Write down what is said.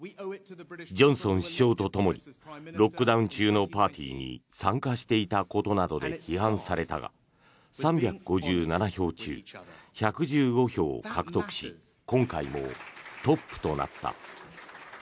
ジョンソン首相とともにロックダウン中のパーティーに参加していたことなどで批判されたが３５７票中１１５票を獲得し今回もトップとなった。